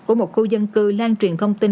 của một khu dân cư lan truyền thông tin